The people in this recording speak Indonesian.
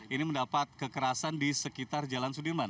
ini mendapat kekerasan di sekitar jalan sudirman